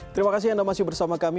terima kasih anda masih bersama kami